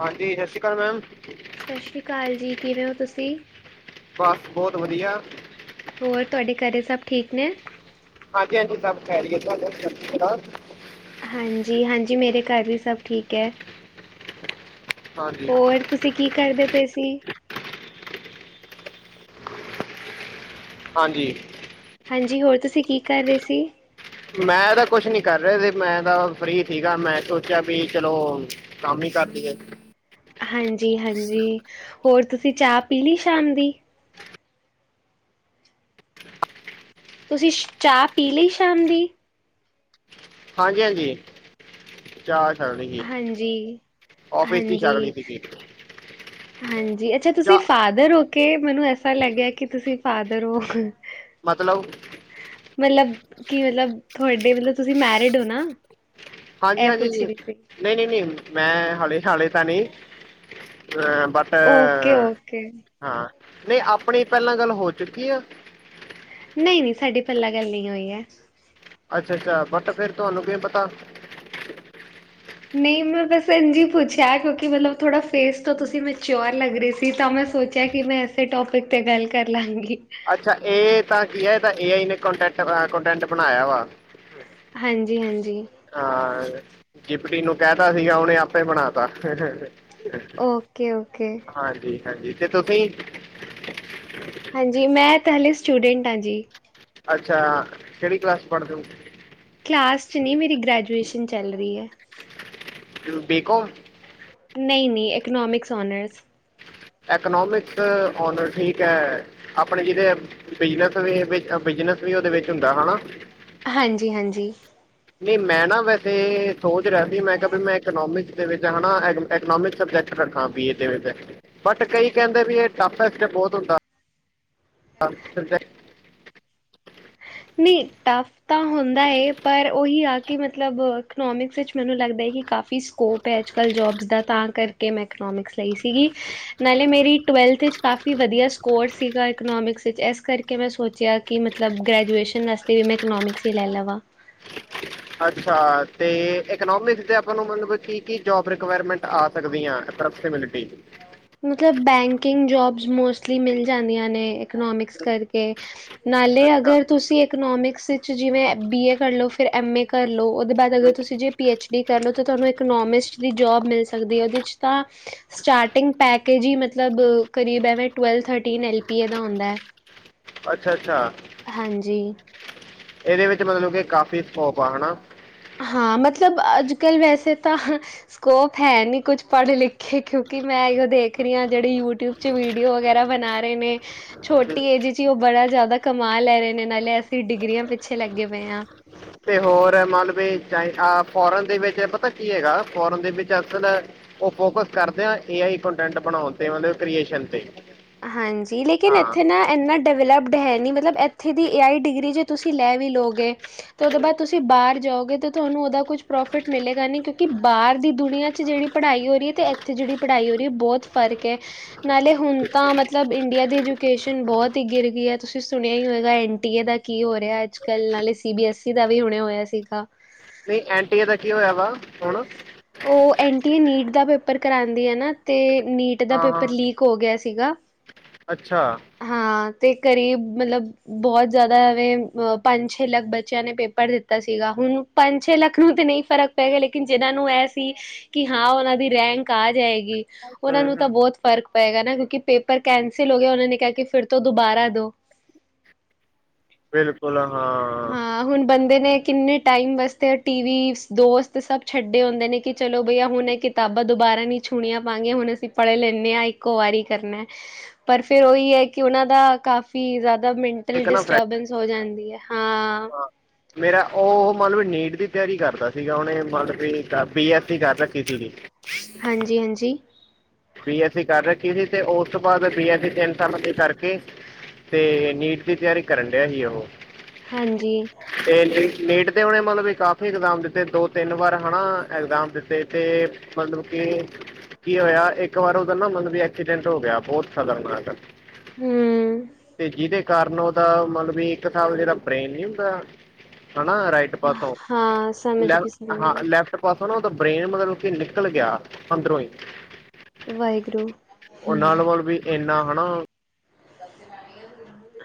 ਹਾਂਜੀ ਸਸੀ ਸਸ਼ਰੀ ਕਾਲ ਜੀ ਕਿਵੇਂ ਹੋ ਤੁਸੀਂ? ਬਸ ਬਹੁਤ ਵਧੀਆ। ਹੋਰ ਤੁਹਾਡੇ ਘਰ ਸਭ ਠੀਕ ਨੇ? ਹਾਂਜੀ-ਹਾਂਜੀ ਸਭ ਖੈਰੀਅਤ ਤੁਹਾਡੇ ਕਿੱਦਾ? ਹਾਂਜੀ, ਹਾਂਜੀ ਮੇਰੇ ਘਰ ਵੀ ਸਭ ਠੀਕ ਐ। ਹਾਂਜੀ ਹੋਰ ਤੁਸੀਂ ਕੀ ਕਰਦੇ ਪਏ ਸੀ? ਹਾਂਜੀ ਹਾਂਜੀ ਹੋਰ ਤੁਸੀਂ ਕੀ ਕਰ ਰਹੇ ਸੀ? ਮੈਂ ਤਾਂ ਕੁਛ ਨੀ ਕਰ ਰਿਹਾ ਮੈਂ ਤਾਂ ਫਰੀ ਸੀਗਾ ਮੈਂ ਸੋਚਿਆ ਵੀ ਚਲੋ ਕੰਮ ਈ ਕਰ ਲੀਏ। ਹਾਂਜੀ-ਹਾਂਜੀ ਹੋਰ ਤੁਸੀਂ ਚਾਹ ਪੀ ਲਈ ਸ਼ਾਮ ਦੀ? ਤੁਸੀਂ ਚਾਹ ਪੀ ਲਈ ਸ਼ਾਮ ਦੀ? ਹਾਂਜੀ-ਹਾਂਜੀ। ਚਾਹ ਛਕ ਲੀ ਸੀ, ਹਾਂਜੀ ਔਫਿਸ ਈ ਛਕ ਹਾਂਜੀ ਲੀ ਸੀਗੀ। ਹਾਂਜੀ ਅੱਛਾ ਤੁਸੀਂ ਚਾਹ ਫਾਦਰ ਹੋ ਕੇ ਮੈਨੂੰ ਐਸਾ ਲੱਗਿਆ ਕਿ ਤੁਸੀਂ ਫਾਦਰ ਹੋ। ਮਤਲਬ ਮਤਲਬ ਕੀ ਮਤਲਬ ਤੁਹਾਡੇ ਮਤਲਬ ਤੁਸੀਂ ਮੈਰਿਡ ਹੋ ਨਾ। ਇਹ ਹਾਂਜੀ-ਹਾਂਜੀ ਪੁੱਛ ਜੀ ਰਹੀ ਸੀ ਨਈ-ਨਈ ਮੈਂ ਹਲੇ-ਹਲੇ ਤਾਂ ਨਈ ਅ ਬ ਓਕੇ-ਓਕੇ ਹਾਂ ਨਈ ਆਪਣੀ ਪੈਲਾਂ ਗੱਲ ਹੋ ਚੁੱਕੀ ਆ। ਨਈ-ਨਈ ਸਾਡੀ ਪੈਲਾਂ ਗੱਲ ਨਈ ਹੋਈ ਐ। ਅੱਛਾ-ਅੱਛਾ ਬਟ ਫੇਰ ਤੁਹਾਨੂੰ ਕੀ ਪਤਾ ਨਈ ਮੈਂ ਬਸ ਇੰਜੀ ਪੁੱਛਿਆ ਕਿਉਂਕਿ ਮਤਲਬ ਥੋੜਾ ਫੇਸ ਤੋਂ ਤੁਸੀਂ ਮੈਂਚਿਓਰ ਲੱਗ ਰਏ ਸੀ ਤਾਂ ਮੈਂ ਸੋਚ ਸੋਚਿਆ ਕਿ ਮੈਂ ਇਸੇ ਟੋਪਿਕ ਤੇ ਗੱਲ ਕਰ ਲਾਂਗੀ। ਅੱਛਾ ਇਹ ਤਾਂ ਕੀ ਹੈ ਇਹ ਤਾਂ ਏ ਆਈ ਨੇ ਕੋਂਟੈਂਟ-ਕੋਂਟੈਂਟ ਬਣਾਇਆ ਵਾ। ਹਾਂਜੀ-ਹਾਂਜੀ ਹਾਂ ਜਿਪਟੀ ਨੂੰ ਕੈਤਾ ਸੀਗਾ ਉਹਨੇ ਆਪੇ ਬਣਾ ਤਾ ਓਕੇ ਓਕੇ ਹਾਂਜੀ-ਹਾਂਜੀ ਤੇ ਤੁਸੀਂ ਹਾਂਜੀ ਮੈਂ ਤਾ ਹਲੇ ਸਟੂਡੈਂਟ ਹਾਂ ਜੀ। ਅੱਛਾ ਕੇੜੀ ਕਲਾਸ 'ਚ ਪੜ੍ਹਦੇ ਓ ਕਲਾਸ 'ਚ ਨਈ ਮੇਰੀ ਗ੍ਰੈਜੂਏਸ਼ਨ ਚੱਲ ਰਈ ਐ। ਬੀ ਕੋਮ ਨਈ-ਨਈ ਇਕੋਨੋਮਿਕਸ ਔਨਰਸ ਐਨੋਮਿਕਸ ਔਨਰ ਠੀਕ ਹੈ। ਆਪਣੇ ਜਿਦੇ ਬਿਜਨਸ-ਬਿਜਨਸ ਵੀ ਉਹਦੇ ਵਿੱਚ ਹੁੰਦਾ ਹਨਾ। ਹਾਂਜੀ-ਹਾਂਜੀ ਨਈ ਮੈਂ ਨਾ ਵੈਸੇ ਸੋਚ ਰਿਆ ਸੀ ਮੈਂ ਕਿਆ ਵੀ ਮੈਂ ਇਕਨੋਮਿਕਸ ਦੇ ਵਿੱਚ ਹੈਨਾ ਐਗ ਇਕਨੋਮਿਕ ਸਬਜੈਕਟ ਰੱਖਾਂ ਬੀਏ ਦੇ ਵਿਚ ਬਟ ਕਈ ਕੈਂਦੇ ਵੀ ਇਹ ਟਫ ਬੋਤ ਹੁੰਦਾ। ਹਾਂਜੀ ਸਬਜੈਕਟ ਨਈ ਟਫ ਤਾਂ ਹੁੰਦਾ ਏ ਪਰ ਉਹੀ ਆ। ਕਿ ਮਤਲਬ ਇਕਨੋਮਿਕਸ ਵਿੱਚ ਮੈਨੂੰ ਲੱਗਦਾ ਹੈ ਕਿ ਕਾਫੀ ਸਕੋਪ ਹੈ ਅੱਜਕੱਲ ਜੋਬਸ ਦਾ ਤਾਂ ਕਰ ਕੇ ਮੈਂ ਇਕਨੋਮਿਕਸ ਲਈ ਸੀਗੀ। ਨਾਲੇ ਮੇਰੀ ਟਵੈਲਥ ਵਿਚ ਕਾਫੀ ਵਧੀਆ ਸਕੋਰ ਸੀਗਾ ਇਕਨੋਮਿਕਸ ਵਿੱਚ ਇਸ ਕਰਕੇ ਮੈਂ ਸੋਚਿਆ ਕਿ ਮਤਲਬ ਗ੍ਰੈਜੁਏਸ਼ਨ ਆਸਤੇ ਵੀ ਮੈਂ ਇਕਨੋਮਿਕਸ ਈ ਲੈ ਲਾਵਾਂ। ਅੱਛਾ ਤੇ ਇਕਨੋਮਿਕਸ ਦੇ ਆਪਾਂ ਨੂੰ ਮਤਲਬ ਕੀ-ਕੀ ਜੋਬ ਰਿਕੁਆਇਰਮੈਂਟ ਆ ਸਕਦੀਆਂ ਐਪਰੋਕਸਿਮਿਲਿਟੀ ਮਤਲਬ ਬੈਂਕਿੰਗ ਜੋਬਸ ਮੋਸਟਲੀ ਮਿਲ ਜਾਂਦੀਆਂ ਨੇਂ ਇਕਨੋਮਿਕਸ ਕਰਕੇ ਨਾਲੇ ਅੱਛਾ ਅਗਰ ਤੁਸੀ ਇਕਨੋਮਿਕਸ 'ਚ ਜਿਵੇਂ ਬੀ ਏ ਕਰ ਲਓ ਫਿਰ ਐੱਮ ਏ ਕਰ ਲਉ, ਉਹਦੇ ਬਾਅਦ ਹਮ, ਅਗਰ ਤੁਸੀ ਜੇ ਪੀ ਐੱਚ ਡੀ ਕਰ ਲਓ ਤੇ ਤੁਹਾਨੂੰ ਇਕਨੋਮਿਸਟ ਦੀ ਜੋਬ ਮਿਲ ਸਕਦੀ ਹੈ। ਉਹਦੇ 'ਚ ਤਾਂ ਸਟਾਰਟ ਟਿੰਗ ਪੈਕੇਜ ਹੀ ਮਤਲਬ ਕਰੀਬ ਐਵੇਂ ਟਵੈਲ ਥਰਟੀਨ ਐੱਲ ਪੀ ਏ ਦਾ ਹੁੰਦਾ। ਅੱਛਾ-ਅੱਛਾ ਹਾਂਜੀ ਇਹਦੇ ਵਿੱਚ ਮਤਲਬ ਕਿ ਕਾਫੀ ਸਕੋਪ ਆ ਹਨਾ। ਹਾਂ ਮਤਲਬ ਅੱਜ ਕੱਲ ਵੈਸੇ ਤਾਂ ਸਕੋਪ ਹੈ ਨੀ ਕੁਛ ਪੜ੍ਹੇ ਲਿਖੇ ਕਿਉਂਕਿ ਮੈਂ ਇਹ ਦੇਖ ਰਈ ਹਾਂ ਜਿਹੜੀ ਯੂਟਿਊਬ ਚ ਵੀਡੀਓ ਵਗੈਰਾ ਬਣਾ ਰਏ ਨੇਂ। ਛੋਟੀ ਏਜ 'ਚ ਹੀ ਓ ਬੜਾ ਜਾਦਾ ਕਮਾ ਲੈ ਰਏ ਨੇਂ ਨਾਲੇ ਅਸੀ ਡਿਗਰੀਆਂ ਪਿੱਛੇ ਲੱਗੇ ਪਏ ਹਾਂ। ਤੇ ਹੋਰ ਮਤਲਬ ਇਹ 'ਚ ਐਂ ਆਹ ਫੋਰਨ ਦੇ ਵਿੱਚ ਪਤਾ ਕੀ ਹੈਗਾ ਫੋਰਨ ਦੇ ਵਿੱਚ ਅਸਲ ਓ ਫੋਕਸ ਕਰਦੇ ਆਂ ਏ ਆਈ ਕੋਂਟੈਂਟ ਬਣਾਉਣ ਤੇ ਮਤਲਬ ਕ੍ਰੀਏਸ਼ਨ ਤੇ। ਹਾਂਜੀ, ਲੇਕਿਨ ਹਾਂ ਏਥੇ ਨਾ ਏਨਾਂ ਡੇਵਲਪਡ ਹੈ ਨੀ ਮਤਲਬ ਏਥੇ ਦੀ ਏ ਆਈ ਡਿਗਰੀ ਜੇ ਤੁਸੀ ਲੈ ਵੀ ਲੋਗੇ ਤੇ ਓਦੇ ਬਾਦ ਤੁਸੀ ਬਾਰ ਜਾਓਗੇ ਤੇ ਤੁਹਾਨੂੰ ਓਦਾ ਕੁਛ ਪ੍ਰੋਫਿਟ ਮਿਲੇਗਾ ਨੀ ਕਿਉਂਕਿ ਬਾਰ ਦੀ ਦੁਨੀਆਂ ਚ ਜੇੜੀ ਪੜ੍ਹਾਈ ਹੋ ਏ ਰੀ ਤੇ ਏਥੇ ਜੇੜੀ ਪੜ੍ਹਾਈ ਹੋ ਰੀ, ਬੋਤ ਫਰਕ ਐ ਨਾਲੇ ਹੁਨ ਤਾਂ ਮਤਲਬ ਇੰਡੀਆ ਦੀ ਐਜੂਕੇਸ਼ਨ ਬੋਤ ਈ ਗਿਰ ਗਈ ਐ, ਤੁਸੀ ਸੁਨਿਆ ਈ ਹੋਏਗਾ, ਐੱਨ ਟੀ ਏ ਦਾ ਕੀ ਹੋ ਰਿਹਾ ਅੱਜ। ਕੱਲ, ਨਾਲੇ ਸੀ ਬੀ ਐੱਸ ਈ ਦਾ ਵੀ ਹੁਣੇ ਹੋਇਆ ਸੀਗਾ। ਨਈ ਐਂਨ ਟੀ ਏ ਦਾ ਕੀ ਹੋਇਆ ਵਾ? ਹੁਣ! ਓ ਐਨ ਟੀ ਏ ਨੀਟ ਦਾ ਪੇਪਰ ਕਰਾਂਦੀ ਐ ਨਾ ਤੇ ਨੀਟ ਦਾ ਹਾਂ ਹਾਂ ਪੇਪਰ ਲੀਕ ਹੋ ਗਿਆ ਸੀਗਾ। ਅੱਛਾ! ਹਾਂ ਤੇ ਕਰੀਬ ਮਤਲਬ ਬੋਤ ਜਾਦਾ ਐਵੇਂ, ਅ ਪੰਜ ਛੇ ਲੱਖ ਬੱਚਿਆਂ ਨੇ ਪੇਪਰ ਦਿੱਤਾ ਸੀਗਾ ਹੁਨ ਪੰਜ-ਛੇ ਲੱਖ ਨੂੰ ਤੇ ਨਈ ਫਰਕ ਪਏਗਾ ਲੇਕਿਨ ਜਿਨਾਂ ਨੂੰ ਐ ਸੀ ਕਿ ਹਾਂ, ਓਨਾਂ ਦੀ ਰੈਂਕ ਆ ਜਾਏਗੀ। ਓਨਾਂ ਹੂੰ ਨੂੰ ਹੂੰ ਤਾ ਬੋਤ ਫਰਕ ਪਏਗਾ ਨਾ ਕਿਉਂਕਿ ਪੇਪਰ ਕੈਂਸਿਲ ਹੋ ਗਿਆ। ਓਨਾਂ ਨੇ ਕਿਹਾ ਕਿ ਫਿਰ ਤੋ ਦੁਬਾਰਾ ਦੋ। ਬਿਲਕੁਲ, ਹਾਂ। ਆਹ ਹੁਨ ਬੰਦੇ ਨੇ ਕਿੰਨੇ ਟਾਈਮ ਵਾਸਤੇ ਟੀ ਵੀ, ਦੋਸਤ ਸਭ ਛੱਡੇ ਹੁੰਦੇ ਨੇ ਕਿ ਚਲੋ ਬਈ ਆਹ ਹੁਨ ਇਹ ਕਿ ਤਾਬਾਂ ਦੁਬਾਰਾ ਨਹੀਂ ਛੂਣੀਆਂ ਪਾਂਗੇ ਹੁਨ ਅਸੀ ਪੜ੍ਹ ਲੈਂਨੇਂ ਆਂ ਇੱਕੋ ਵਾਰੀ ਕਰਨਾ ਐ। ਪਰ ਫਿਰ ਓਹੀ ਹੈ ਕਿ ਓਨਾਂ ਦਾ ਕਾਫੀ ਜਾਦਾ ਮਿੰਟ ਟਲ ਇੱਕ ਨਾ ਡਿਸਟਰਬੈਂਸ ਹੋ ਜਾਂਦੀ ਐ, ਹਾਂ। ਮੇਰਾ ਓ ਮਤਲਬ ਨੀਟ ਦੀ ਤਿਆਰੀ ਕਰਦਾ ਸੀਗਾ, ਓਨੇ ਮਤਲਬ ਬੀ ਐੱਸ ਸੀ ਕਰ ਰੱਖੀ ਸੀਗੀ। ਹਾਂਜੀ-ਹਾਂਜੀ। ਬੀ ਐੱਸ ਸੀ ਕਰ ਰੱਖੀ ਸੀ ਤੇ ਓਸ ਤੋ ਬਾਦ ਬੀ ਐਸ ਸੀ ਤਿੰਨ ਸਾਲਾਂ ਦੀ ਕਰਕੇ ਤੇ, ਨੀਟ ਦੀ ਤਿਆਰੀ ਕਰਨ ਡਿਆ ਸੀ ਓਹ। ਹਾਂਜੀ! ਤੇ ਨੀਟ, ਨੀਟ ਦੇ ਓਨੇਂ ਮਤਲਬ ਵਈ ਕਾਫੀ ਇਗਜ਼ਾਮ ਦਿੱਤੇ ਦੋ ਤਿੰਨ ਵਾਰ, ਹਣਾ ਏਗਜ਼ਾਮ ਦਿੱਤੇ ਤੇ ਮਤਲਬ ਕਿ, ਕੀ ਹੋਇਆ? ਇੱਕ ਵਾਰ ਓਦਾ ਨਾ ਮਤਲਬ ਬਈ ਐਕਸੀਡੈਂਟ ਹੋ ਗਿਆ, ਬਹੁਤ ਖਤਰਨਾਕ। ਹਮ ਤੇ ਜਿਹਦੇ ਕਾਰਨ ਓ ਦਾ ਮਤਲਬ ਵੀ ਇੱਕ ਹਿਸਾਬ ਨਾਲ ਜੇੜਾ ਬ੍ਰੈਨ ਨੀ ਹੁੰਦਾ, ਹੈਨਾ ਰਾਇਟ ਦੇ ਪਾਸੋਂ, ਹਾਂ ਸਮਝ ਗਈ ਲੈਫਟ ਹਾਂ ਸਮਝ ਗਈ ਲੈਫਟ ਪਾਸੋ ਨਾ ਓਦਾ ਬ੍ਰੇਨ ਮਤਲਬ ਕਿ ਨਿਕਲ ਗਿਆ ਅੰਦਰੋਂ ਈ। ਵਾਹਿਗੁਰੂ। ਓ ਨਾਲ ਵੱਲ‌ ਵੀ ਇੰਨਾ ਹਨਾ।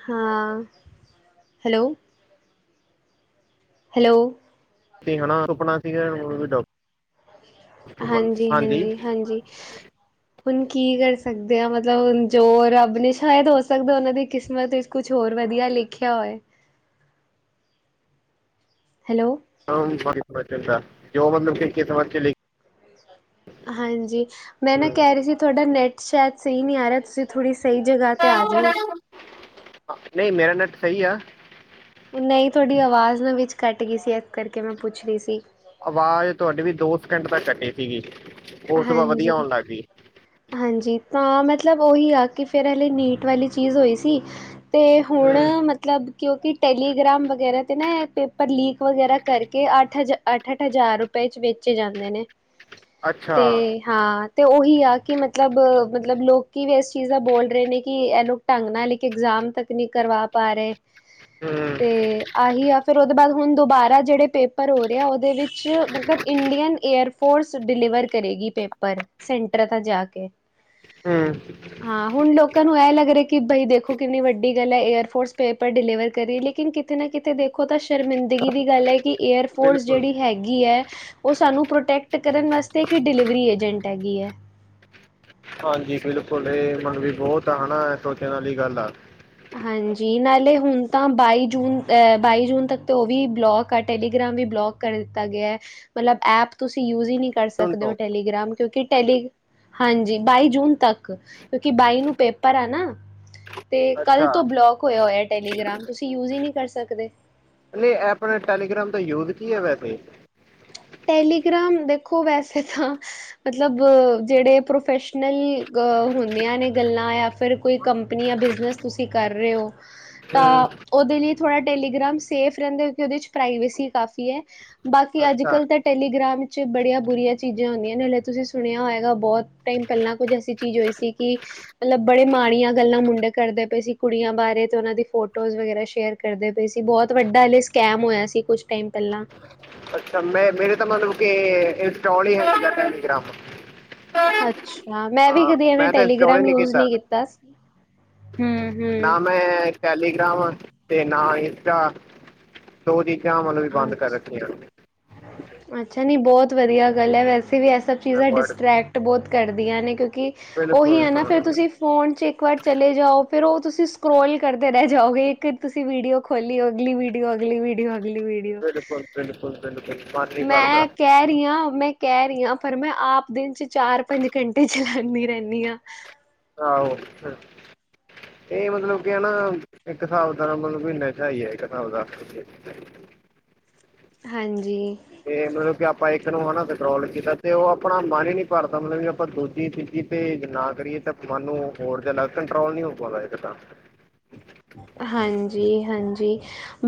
ਹਾਂ, ਹੈਲੋ। ਹੈਲੋ। ਤੇ ਹਣਾ ਸੁਪਨਾ ਸੀਗਾ [unintelligible] ਹਾਂਜੀ, ਹਾਂਜੀ, ਹਾਂਜੀ। ਹੁਨ ਕੀ ਕਰ ਸਕਦੇ ਆ, ਮਤਲਬ ਜੋ ਰੱਬ ਨੇ ਸ਼ਾਇਦ ਹੋ ਸਕਦਾ ਓਨਾਂ ਦੀ ਕਿਸਮਤ 'ਚ ਕੁਛ ਹੋਰ ਵਧੀਆ ਲਿਖਿਆ ਹੋਏ। ਹੈਲੋ। [unintelligible] ਜੋ ਮਤਲਬ ਕਿ ਕਿਸਮਤ ਚ ਲਿਖ ਹਾਂਜੀ ਮੈਂ ਨਾ ਹਮ, ਕਹਿ ਰੀ ਸੀ, ਤੁਹਾਡਾ ਨੈੱਟ ਸ਼ਾਇਦ ਸਈ ਨਈ ਆ ਰਿਹਾ ਤੁਸੀਂ ਥੋੜ੍ਹੀ ਸਈ ਜਗ੍ਹਾ ਤੇ ਆ ਜੋ। ਨਈ ਮੇਰਾ ਨੈਟ ਸਈ ਐ। ਨਈ ਤੁਹਾਡੀ ਆਵਾਜ਼ ਨਾ ਵਿੱਚ ਕੱਟ ਗਈ ਸੀ, ਏਸ ਕਰਕੇ ਮੈਂ ਪੁੱਛ ਰੀ ਸੀ। ਆਵਾਜ਼ ਤੁਹਾਡੀ ਵੀ ਦੋ ਸਕਿੰਟ ਤੱਕ ਕੱਟੀ ਸੀਗੀ। ਉਸ ਤੋਂ ਬਾਅਦ ਵਧੀਆ ਹਾਂਜੀ। ਆਉਣ ਲੱਗ ਗਈ ਹਾਂਜੀ ਤਾਂ ਮਤਲਬ ਉਹੀ ਆ, ਕਿ ਫੇਰ ਨੀਟ ਵਾਲੀ ਚੀਜ਼ ਹੋਈ ਸੀ। ਤੇ ਹੁਣ ਹੂੰ ਮਤਲਬ ਕਿਉਂਕਿ ਟੈਲੀਗ੍ਰਾਮ। ਵਗੈਰਾ ਤੇ ਨਾ ਪੇਪਰ ਲੀਕ ਵਗੈਰਾ ਕਰਕੇ ਅੱਠ ਹਜ਼ਾਰ ਅੱਠ ਅੱਠ ਹਜ਼ਾਰ ਰੁਪਏ ਚ ਵੇਚੇ ਜਾਂਦੇ ਨੇ। ਅੱਛਾ ਤੇ। ਹਾਂ ਤੇ ਉਹੀ ਆ ਕਿ ਮਤਲਬ ਮਤਲਬ ਲੋਕੀ ਵੀ ਇਸ ਚੀਜ਼ ਦਾ ਬੋਲ ਰਹੇ ਨੇ ਕਿ ਇਹ ਲੋਕ। ਢੰਗ ਨਾਲ ਇਕ ਇਗਜ਼ਾਮ ਤੱਕ ਨਹੀਂ ਕਰਵਾ ਪਾ ਰਹੇ। ਹੂ ਤੇ ਆਹੀ ਆ ਫਿਰ ਉਹਦੇ ਬਾਅਦ ਹੁਣ ਦੁਬਾਰਾ ਜਿਹੜੇ ਪੇਪਰ ਹੋ ਰਹੇ ਆ ਉਹਦੇ ਵਿੱਚ। ਮਤਲਬ ਇੰਡੀਅਨ ਏਅਰ ਫੋਰਸ ਡਿਲੀਵਰ ਕਰੇਗੀ ਪੇਪਰ ਸੈਂਟਰ ਤੇ ਜਾ ਕੇ। ਹੂ ਹਾਂ ਹੁਣ ਲੋਕਾਂ ਨੂੰ ਇਹ ਲੱਗ ਰਿਹਾ, ਕਿ ਬਾਈ ਦੇਖੋ ਕਿੰਨੀ ਵੱਡੀ ਗੱਲ ਹੈ, ਏਅਰਫੋਰਸ ਪੇਪਰ ਡਿਲੀਵਰ ਕਰੀਏ ਲੇਕਿਨ ਕਿਤੇ ਨਾ ਕਿਤੇ ਦੇਖੋ। ਉਹ ਤਾਂ ਸ਼ਰਮਿੰਦਗੀ ਦੀ ਗੱਲ ਹੈ ਕਿ। ਏਅਰਫੋਰਸ ਬਿਲਕੁਲ ਜਿਹੜੀ ਹੈਗੀ ਹੈ, ਉਹ ਸਾਨੂੰ ਪ੍ਰੋਟੈਕਟ ਕਰਨ ਵਾਸਤੇ। ਅਤੇ ਇੱਕ ਡਿਲੀਵਰੀ ਏਜੰਟ ਹੈਗੀ ਹੈ। ਹਾਂਜੀ ਬਿਲਕੁਲ ਇਹ ਮਨ ਵੀ‌ ਬਹੁਤ ਹੈ‌, ਸੋਚਣ ਵਾਲੀ ਗੱਲ ਆ। ਹਾਂਜੀ ਨਾਲੇ ਹੁਣ ਤਾਂ ਬਾਈ ਜੂਨ ਬਾਈ ਜੂਨ ਤੱਕ ਤਾਂ ਉਹ ਵੀ ਬਲੋਕ ਆ ਟੈਲੀਗ੍ਰਾਮ ਵੀ ਬਲੋਕ। ਕਰ ਦਿੱਤਾ ਗਿਆ, ਮਤਲਬ ਐਪ ਤੁਸੀਂ ਯੂਜ ਹੀ ਨਹੀਂ ਕਰ ਸੁਣ ਸਕਦੇ ਹੋ ਤੋਂ ਟੈਲੀਗ੍ਰਾਮ ਕਿਉਂਕਿ ਟੈਲੀ। ਹਾਂਜੀ ਬਾਈ ਜੂਨ ਤੱਕ ਕਿਉਂਕਿ ਬਾਈ ਨੂੰ ਪੇਪਰ ਐ ਨਾ ਤੇ। ਕੱਲ੍ਹ ਅੱਛਾ ਤੋਂ ਬਲੋਕ ਹੋਇਆ ਹੋਇਆ ਟੈਲੀਗ੍ਰਾਮ ਤੁਸੀਂ ਯੂਜ਼ ਹੀ ਨਹੀਂ ਕਰ ਸਕਦੇ। ਨਹੀਂ ਐਪ ਆਲੇ ਟੈਲੀਗ੍ਰਾਮ ਤਾਂ ਯੂਜ ਕੀ ਹੈ ਵੈਸੇ। ਟੈਲੀਗ੍ਰਾਮ ਦੇਖੋ ਵੈਸੇ ਤਾਂ। ਮਤਲਬ ਜਿਹੜੇ ਪ੍ਰੋਫੈਸ਼ਨਲ ਅ ਹੁੰਦੀਆਂ ਨੇ ਗੱਲਾਂ ਜਾਂ ਫਿਰ। ਕੋਈ ਕੰਪਨੀ ਜਾਂ ਬਿਜਨਸ ਤੁਸੀਂ ਕਰ ਰਹੇ ਹੋ ਤਾਂ। ਹੂੰ ਉਹਦੇ ਲਈ ਥੋੜ੍ਹਾ ਟੈਲੀਗ੍ਰਾਮ ਸੇਫ ਰਹਿੰਦਾ ਕਿ ਉਹਦੇ 'ਚ ਪ੍ਰਾਈਵੇਸੀ ਕਾਫੀ ਹੈ ਬਾਕੀ ਅੱਜ ਅੱਛਾ ਕੱਲ੍ਹ ਤਾਂ ਟੈਲੀਗ੍ਰਾਮ ਵਿੱਚ ਬੜੀਆਂ ਬੁਰੀਆਂ ਚੀਜ਼ਾਂ ਹੁੰਦੀਆਂ ਨੇੇ, ਤੁਸੀਂ ਸੁਣਿਆ ਹੋਏਗਾ ਬਹੁਤ ਟਾਈਮ ਪਹਿਲਾਂ ਕੁੱਝ ਐਸੀ ਚੀਜ਼ ਹੋਈ ਸੀ। ਜ ਕਿ [inaudible] ਮਤਲਬ ਬੜੇ ਮਾੜੀਆਂ ਗੱਲਾਂ ਮੁੰਡੇ ਕਰਦੇ ਪਏ ਸੀ, ਕੁੜੀਆਂ ਬਾਰੇ ਤੇ ਉਹਨਾਂ ਦੀ ਫੋਟੋਜ਼ ਵਗੈਰਾ ਸ਼ੇਅਰ। ਕਰਦੇ ਪਏ ਸੀ ਬਹੁਤ ਵੱਡਾ ਹਲੇ ਸਕੈਮ ਹੋਇਆ ਸੀ ਕੁੱਛ ਟਾਈਮ ਪਹਿਲਾਂ। ਅੱਛਾ ਮੈਂ ਮੇਰੇ ਤਾਂ ਮਤਲਬ ਕੇ ਇੰਸਟਾਲ ਹੀ ਨਹੀਂ ਹੈਗਾ ਟੈਲੀਗ੍ਰਾਮ। ਹਾਂ ਅੱਛਾ ਮੈਂ ਵੀ ਕਦੇ ਐਵੇਂ ਮੈਂ ਤਾਂ ਇੰਸਟਾਲ ਹੀ ਟੈਲੀਗ੍ਰਾਮ ਯੂਜ ਨਹੀਂ ਕੀਤਾ। ਨਾ ਹੂੰ-ਹੂੰ। ਮੈਂ ਟੈਲੀਗ੍ਰਾਮ ਤੇ ਨਾ ਇੰਸਟਾ। ਸ ਉਹਦੀ ਚਾਹ ਮਤਲਬ ਵੀ ਬੰਦ ਕਰ ਅੱਛਾ। ਰੱਖੀੀਆਂ [unintelligible] ਅੱਛਾ ਨੀ ਬਹੁਤ ਵਧੀਆ ਗੱਲ ਹੈ, ਵੈਸੇ ਵੀ ਇਹ ਸਭ ਚੀਜ਼ਾਂ ਅਕਵਰਡ ਡਿਸਟਰ੍ਰੈਕਟ। ਬਹੁਤ ਕਰਦੀਆਂ ਨੇ ਕਿਉਂਕਿ ਉਹੀ ਬਿਲਕੁਲ ਹੈ ਨਾ ਹਾਂ ਫਿਰ ਤੁਸੀਂ ਫ਼ੋਨ 'ਚ ਇੱਕ ਵਾਰ ਚਲੇ ਜਾਓ ਫਿਰ ਉਹ ਤੁਸੀਂ ਸਕਰੋਲ ਕਰਦੇ ਰਹਿ ਜਾਓਗੇ, ਇਕ ਇੱਕ ਤੁਸੀਂ ਵੀਡੀਓ ਖੋਲੀ ਆਗਲੀ ਵ ਵੀਡੀਓ ਆਗਲੀ ਵ ਵੀਡੀਓ ਆਗ ਵ ਵੀਡੀਓ ਬਿਲਕੁਲ ਬਿਲਕੁਲ ਬਿਲਕੁਲ ਮਨ ਨਹੀਂ ਮੈਂ ਐ ਭਰਦਾ ਕਹਿ ਰਹੀ ਹਾਂ, ਮੈਂ ਕਹਿ ਰਹੀ ਹਾਂ, ਪਰ ਮੈਂ ਆਪ ਦਿਨ ਚ ਚਾਰ ਪੰਜ ਘੰਟੇ ਚਲਾਉਂਦੀ ਰਹਿੰਦੀ ਹਾਂ ਆਹੋ, ਇਹ ਮਤਲਬ ਕੀ ਹੈ ਨਾ ਇੱਕ ਹਿਸਾਬ ਦਾ ਮਤਲਬ ਮਹੀਨੇ ਚ ਆ ਹੀ ਹੈ ਇੱਕ ਹਿਸਾਬ ਦ ਰੁਪ ਹਾਂਜੀ ਤੇ ਮਤਲਬ ਕਿ ਆਪਾਂ ਇੱਕ ਨੂੰ ਹਨਾ ਸ ਸਕਰੋਲ ਕੀਤਾ ਤੇ ਉਹ ਆਪਣਾ ਮਨ ਹੀ ਨੀ ਭਰਦਾ ਮਤਲਬ ਕਿ ਆਪਾਂ ਦੂਜੀ ਤੀਜੀ ਤੇ ਨਾ ਕਰੀਏ ਤਾਂ ਮਨ ਨੂੰ ਹੋਰ ਜਿਆਦਾ, ਕੰਟਰੋਲ ਨੀ ਹੋ ਪਾਉਂਦਾ ਇੱਕ ਤਾਂ ਹਾਂਜੀ ਹਾਂਜੀ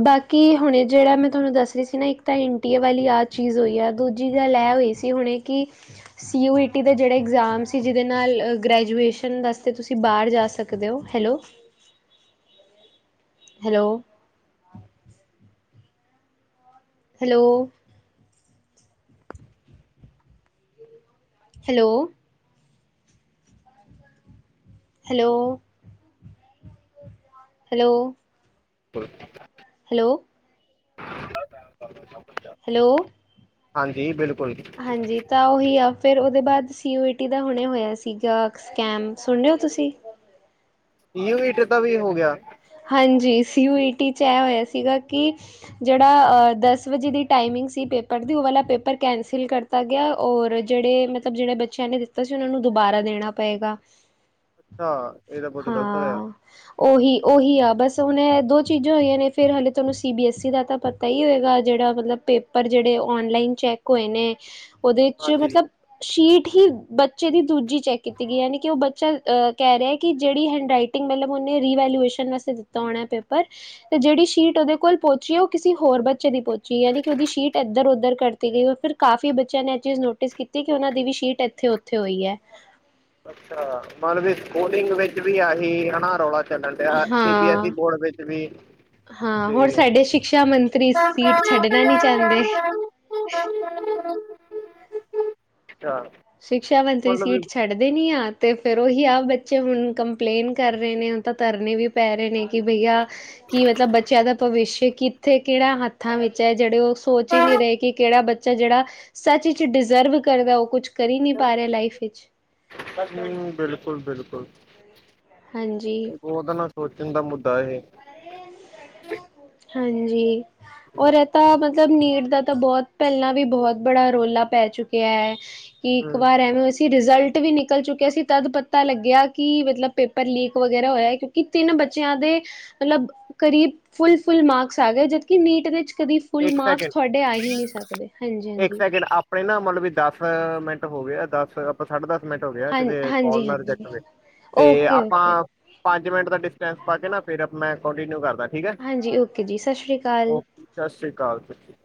ਬਾਕੀ ਹੁਣੇ ਜਿਹੜਾ ਮੈਂ ਤੁਹਾਨੂੰ ਦੱਸ ਰਹੀ ਸੀ ਨਾ ਇੱਕ ਤਾਂ ਇੰਟੀਏ ਵਾਲੀ ਆਹ ਚੀਜ਼ ਹੋਈ ਆ ਦੂਜੀ ਗੱਲ ਇਹ ਹੋਈ ਸੀ ਤੇ ਹੁਣੇ ਕਿ ਸੀ ਯੂ ਈ ਟੀ ਦਾ ਜਿਹੜਾ ਇਗਜ਼ਾਮ ਸੀ ਜਿਹਦੇ ਨਾਲ ਗ੍ਰੈਜੂਏਸ਼ਨ ਵਾਸਤੇ ਤੁਸੀਂ ਬਾਹਰ ਜਾ ਸਕਦੇ ਸਕਦੇ ਹੋ hello hello hello hello hello hello ਪਰ ਹੈਲੋ ਹੈਲੋ ਹਾਂਜੀ ਬਿਲਕੁਲ ਹਾਂਜੀ ਤਾਂ ਉਹੀ ਆ ਫਿਰ ਉਹਦੇ ਬਾਅਦ ਸੀ ਯੂ ਈ ਟੀ ਦਾ ਹੁਣੇ ਹੋਇਆ ਸੀਗਾ। ਸਕੈਮ ਸੁਣ ਰਹੇ ਹੋ ਤੁਸੀਂ ਈ ਯੂ ਮੀਟਰ ਦਾ ਵੀ ਹੋ ਗਿਆ ਹਾਂਜੀ ਸੀ ਯੂ ਈ ਟੀ 'ਚ ਇਹ ਹੋਇਆ ਸੀਗਾ ਕਿ ਜਿਹੜਾ ਦਸ ਵਜੇ ਦੀ ਟਾਈਮਿੰਗ ਸੀ ਪੇਪਰ ਦੀ ਉਹ ਵਾਲਾ ਪੇਪਰ ਕੈਂਸਲ ਕਰ ਦਿੱਤਾ ਗਿਆ ਔਰ ਜਿਹੜੇ ਮਤਲਬ ਜਿਹੜੇ ਬੱਚਿਆਂ ਨੇ ਦਿੱਤਾ ਸੀ ਉਹਨਾਂ ਨੂੰ ਦੁਬਾਰਾ ਦੇਣਾ ਪਏਗਾ। ਅੱਛਾ ਇਹ ਤਾਂ ਬਹੁਤ ਗਲਤ ਹੋਇਆ ਹਾਂ ਉਹੀ ਉਹੀ ਆ ਬਸ ਹੁਣ ਇਹ ਦੋ ਚੀਜ਼ਾਂ ਹੋਈਆਂ ਨੇ ਫਿਰ ਹਾਲੇ ਤੁਹਾਨੂੰ ਸੀ ਬੀ ਐੱਸ ਈ ਦਾ ਤਾਂ ਪਤਾ ਹੀ ਹੋਏਗਾ ਜਿਹੜਾ ਮਤਲਬ ਪੇਪਰ ਪੇਪਰ ਜਿਹੜੇ ਓਨਲਾਈਨ ਚੈੱਕ ਹੋਏ ਨੇ ਉਹਦੇ ਚ ਹਾਂਜੀ ਮਤਲਬ ਸ਼ੀਟ ਹੀ ਬੱਚੇ ਦੀ ਦੂਜੀ ਚੈੱਕ ਕੀਤੀ ਗਈ ਯਾਨੀ ਕਿ ਉਹ ਬੱਚਾ ਕਹਿ ਰਿਹਾ ਕਿ ਜਿਹੜੀ ਹੈਂਡਰਾਈਟ ਮੈਨੇ ਰਿਵੈਲੂਏਸ਼ਨ ਵਾਸਤੇ ਦਿੱਤਾ ਹੋਣਾ ਪੇਪਰ ਤੇ ਜਿਹੜੀ ਸ਼ੀਟ ਉਹਦੇ ਕੋਲ ਪਹੁੰਚੀ ਉਹ ਕਿਸੇ ਹੋਰ ਬ ਦੀ ਪਹੁੰਚੀ ਯਾਨੀ ਕਿ ਉਹਦੀ ਸੀਟ ਇੱਧਰ ਉੱਧਰ ਕਰ ਦਿੱਤੀ ਗਈ ਫਿਰ ਕਾਫੀ ਬੱਚਿਆਂ ਨੇ ਇਹ ਚੀਜ਼ ਨੋਟਿਸ ਕੀਤੀ ਕਿ ਉਹਨਾ ਦੀ ਵੀ ਸ਼ੀਟ ਇੱਥੇ ਉੱਥੇ ਹੋਈ ਹੈ ਅੱਛਾ ਮਤਲਬ ਸਕੂਲਿੰਗ ਵਿੱਚ ਵੀ ਆਹੀ ਹਨਾ ਰੌਲਾ ਚਲਣ ਡਿਆ ਸੀ ਬੀ ਐੱਸ ਈ ਹਾਂ ਬੋਰਡ ਵਿੱਚ ਵੀ ਹਾਂ ਤੇ ਹੋਰ ਸਾਡੇ ਸ਼ਿਕਸ਼ਾ ਮੰਤਰੀ ਸੀਟ ਛੱਡਣਾ ਨੀ ਚਾਹੁੰਦੇ। ਏਦਾਂ ਸਿਕਸ਼ਾ ਮੰਤਰੀ ਸੀਟ ਛੱਡਦੇ ਨੀ ਆ ਅਤੇ ਫਿਰ ਉਹੀ ਆਹ ਬੱਚੇ ਹੁਣ ਕੰਪਲੇਂਨ ਕਰ ਰਹੇ ਨੇ ਹੁਣ ਤਾਂ ਧਰਨੇ ਵੀ ਪੈ ਰਹੇ ਨੇ ਕਿ ਭਈਆ ਕਿ ਮਤਲਬ ਬੱਚਿਆਂ ਦਾ ਭਵਿੱਸ਼ ਕਿੱਥੇ ਕਿਹੜਾ ਹੱਥਾਂ ਵਿੱਚ ਚਾਹੇ ਉਹ ਜਿਹੜੇ ਸੋਚ ਹੀ ਨਹੀਂ ਹਮ, ਰਹੇ ਕਿ ਕਿਹੜਾ ਬੱਚਾ ਜਿਹੜਾ ਸੱਚ ਵਿਚ ਡਿਜ਼ਰਵ ਕਰਦਾ ਉਹ ਕੁਛ। ਕਰੀ ਨਹੀਂ ਪਾ ਰਹੇ ਲਾਈਫ ਵਿੱਚ ਬਿਲਕੁਲ ਬਿਲਕੁਲ ਹਾਂਜੀ ਉਹਦਾ ਨਾ, ਸੋਚਣ ਦਾ ਮੁੱਦਾ ਇਹ ਹਾਂਜੀ, ਔਰ ਇਹ ਤਾਂ ਮਤਲਬ ਮਤਲਬ, ਨੀਟ ਦਾ ਤਾਂ ਬਹੁਤ ਪਹਿਲਾਂ ਵੀ ਬਹੁਤ ਬੜਾ ਰੌਲਾ ਪੈ ਚੁੱਕਿਐ। ਕਿ ਇੱਕ ਹੂੰ ਵਾਰ ਐਵੇਂ ਹੋਇਆ ਸੀ ਕੀ ਰਿਜ਼ਲਟ ਵੀ ਨਿਕਲ ਚੁੱਕਿਆ ਸੀ। ਤਦ ਪਤਾ ਲੱਗਿਆ ਕਿ ਮਤਲਬ ਪੇਪਰ ਲੀਕ ਵਗੈਰਾ ਹੋਇਆ, ਕਿਉਂ? ਕਿਤਨੇ ਬੱਚਿਆਂ ਦੇ, ਮਤਲਬ ਕਰੀਬ ਫੁੱਲ- ਫੁੱਲ ਮਾਰਕਸ ਆ ਗਏ, ਜਦਕਿ ਨੀਟ ਦੇ ਵਿੱਚ ਕਰੀਬ ਫੁੱਲ ਇੱਕ ਮਾਰਕਸ ਸੈਕਿੰਡ ਤੁਹਾਡੇ ਆ ਹੀ ਨਹੀਂ ਸਕਦੇ। ਹਾਂਜੀ ਇੱਕ -ਹਾਂਜੀ। ਸੈਕਿੰਡ ਆਪਣੇ ਨਾ ਮਤਲਬ ਵੀ ਦਸ ਮਿੰਟ ਹੋ ਗਿਐ, ਦਸ। ਸਾਢੇ ਦਸ ਮਿੰਟ ਹੋ ਗਿਐ। ਹਾਂ ਕਿਤੇ ਕਾਲ ਹਾਂਜੀ ਨਾ ਹਾਂਜੀ ਰਿਜੈਕਟ ਹੋਵੇ, ਤੇ ਓਕੇ ਆਪਾਂ ਓਕੇ ਪੰਜ ਮਿੰਟ ਦਾ ਡਿਸਟੈਂਸ ਪਾ ਕੇ ਨਾ, ਫਿਰ ਮੈਂ ਕੋੰਟੀਨਿਂਊ ਕਰਦਾ। ਠੀਕ ਐ, ਹਾਂਜੀ ਓਕੇ ਜੀ ਸਤਿ ਸ਼੍ਰੀ ਅਕਾਲ ਓਕੇ! ਸਸ ਸ਼੍ਰੀ ਕਾਲ ਜੀ।